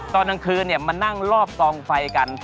ตอนกลางคืนมานั่งรอบกองไฟกัน